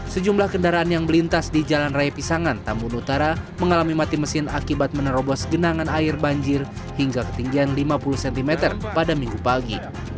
sejumlah kendaraan yang melintas di jalan raya pisangan tambun utara mengalami mati mesin akibat menerobos genangan air banjir hingga ketinggian lima puluh cm pada minggu pagi